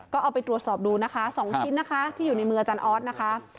ก็เอาไปตรวจสอบดูนะคะ๒ชิ้นนะคะที่อยู่ในมืออาจารย์ออสนะคะ